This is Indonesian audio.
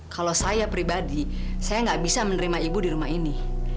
kalau saya pribadi saya nggak bisa menerima ibu di rumah ini